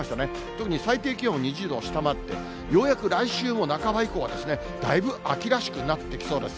特に最低気温も２０度を下回って、ようやく来週半ば以降は、だいぶ秋らしくなってきそうです。